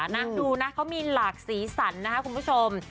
นั่งดูนะเขามีหลากสีสันนะครับคุณผู้ชม